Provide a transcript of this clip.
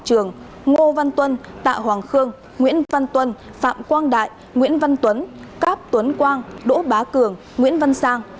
trường ngô văn tuân tạ hoàng khương nguyễn văn tuân phạm quang đại nguyễn văn tuấn cáp tuấn quang đỗ bá cường nguyễn văn sang